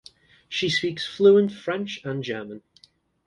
She speaks fluent French and German.